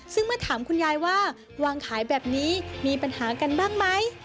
ซึ่งเมื่อถามคุณยายว่าวางขายแบบนี้มีปัญหากันบ้างไหม